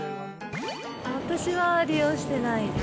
私は利用してないです。